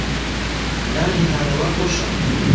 نانی نانەوا خۆشە.